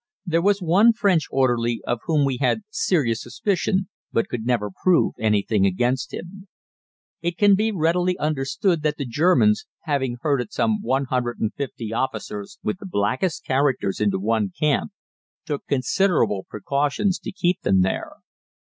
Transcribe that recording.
There was one French orderly of whom we had serious suspicion but could never prove anything against him. It can be readily understood that the Germans, having herded some 150 officers with the blackest characters into one camp, took considerable precautions to keep them there.